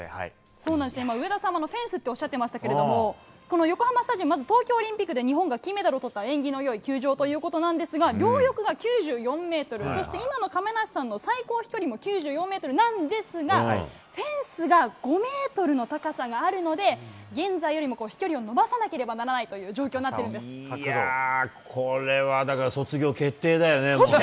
そうなんですよ、今、上田さんもフェンスっておっしゃってましたけれども、この横浜スタジアム、まず東京オリンピックで日本が金メダルをとった縁起のよい球場ということなんですが、両翼が９４メートル、そして今の亀梨さんの最高飛距離も９４メートルなんですが、フェンスが５メートルの高さがあるので、現在よりも飛距離を伸ばさなければならないという状況になってるいやー、これはだから卒業決定だよね、もうね。